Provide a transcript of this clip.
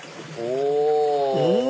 お！